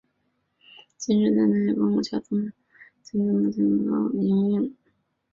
京士顿市内的公共交通服务由市营的京士顿交通局营运。